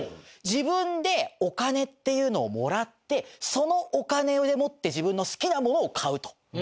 自分でお金っていうのをもらってそのお金でもって自分の好きなものを買うと。